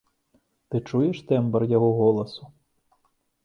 Ты чуеш тэмбр яго голасу?